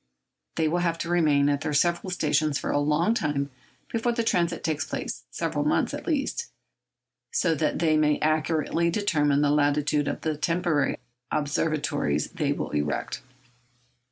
They will have to remain at their several stations for a long time before the transit takes place—several months, at least—so that they may accurately determine the latitude of the temporary observatories they will erect.